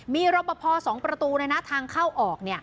มีรบประพอสองประตูในหน้าทางเข้าออก